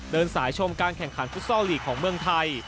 เดินสายชมการแข่งขันฟุตซอลลีกของเมืองไทย